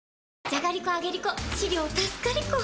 じゃがりこ、あげりこ！